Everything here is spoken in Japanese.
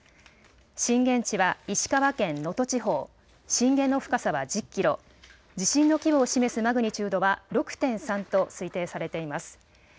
震源地は石川県能登地方、震源の深さは１０キロ、地震の規模を示すマグニチュードは６．３と推定されています。